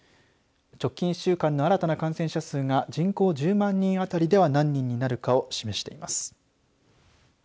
直近１週間の新たな感染者数が人口１０万人当たりでは何人になるかを示しています。